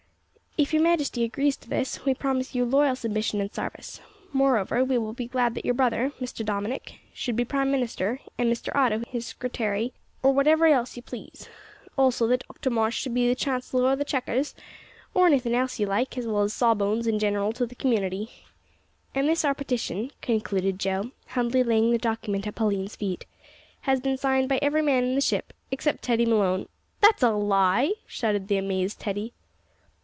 "If your majesty agrees to this, we promise you loyal submission an' sarvice. Moreover, we will be glad that your brother, Mister Dominick, should be prime minister, an' Mister Otto his scritairy, or wotever else you please. Also that Dr Marsh should be the chansler o' the checkers, or anything else you like, as well as sawbones in gineral to the community. An' this our petition," concluded Joe, humbly laying the document at Pauline's feet, "has bin signed by every man in the ship except Teddy Malone " "That's a lie!" shouted the amazed Teddy.